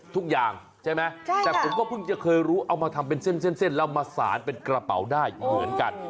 ทุกอย่างใช่ไหมแต่ผมก็เพิ่งจะเคยรู้เอามาทำเป็นเส้นแล้วมาสารเป็นกระเป๋าได้เหมือนกัน